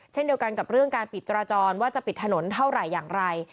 เช่นเดียวกันกับเรื่องการปิดจราจรว่าจะปิดถนนเท่าไหร่อย่างไร